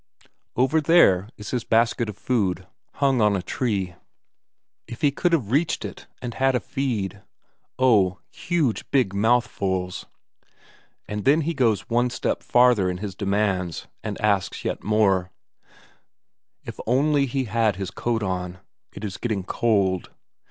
Over there is his basket of food, hung on a tree if he could but have reached it, and had a feed oh, huge big mouthfuls! And then he goes one step farther in his demands, and asks yet more: if he only had his coat on it is getting cold.